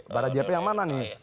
bara jp yang mana nih